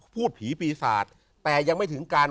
พูดผีปีศาจแต่ยังไม่ถึงการ